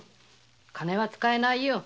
金は使えないよ。